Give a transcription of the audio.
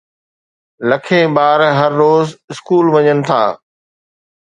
لکين ٻار هر روز اسڪول وڃن ٿا.